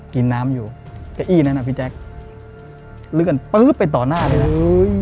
กินน้ำอยู่เก้อี้นั้นน่ะพี่แจ๊คลื่นไปต่อหน้าเลยเอ่ยเออ